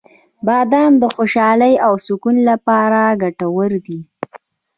• بادام د خوشحالۍ او سکون لپاره ګټور دي.